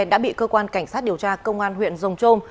đã bị cơ quan cảnh sát điều tra công an huyện rồng trôm